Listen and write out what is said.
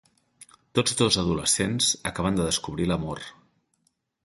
Tots dos adolescents acaben de descobrir l'amor.